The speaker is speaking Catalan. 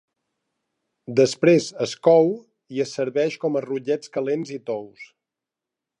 Després es cou i es serveix com a rotllets calents i tous.